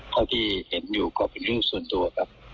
เท่าที่เห็นอยู่ก็เป็นเรื่องส่วนตัวครับ